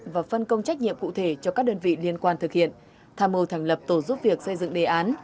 và phân công trách nhiệm cụ thể cho các đơn vị liên quan thực hiện tham mưu thành lập tổ giúp việc xây dựng đề án